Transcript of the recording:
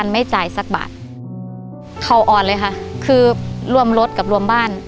ไม่จ่ายสักบาทเขาอ่อนเลยค่ะคือรวมรถกับรวมบ้าน